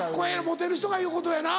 モテる人が言うことやな。